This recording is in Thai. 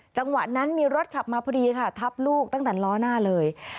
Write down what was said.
จังหวะนั้นมีรถขับมาพอดีค่ะทับลูกตั้งแต่ล้อหน้าเลย